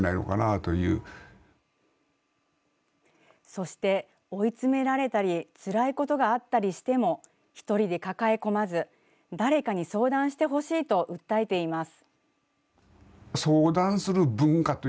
そして、追い詰められたりつらいことがあったりしても一人で抱え込まず誰かに相談してほしいと訴えています。